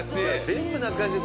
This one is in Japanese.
全部懐かしい。